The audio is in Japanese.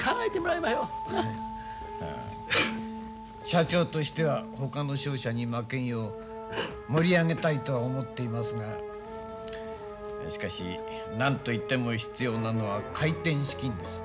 社長としてはほかの商社に負けんよう盛り上げたいとは思っていますがしかし何と言っても必要なのは回転資金です。